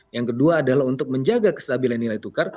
yang kedua adalah untuk menjaga kestabilan nilai tukar